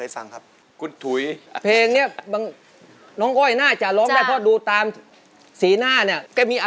สะฝาดเรียบก็ได้